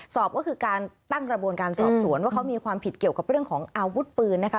สอบก็คือการตั้งกระบวนการสอบสวนว่าเขามีความผิดเกี่ยวกับเรื่องของอาวุธปืนนะคะ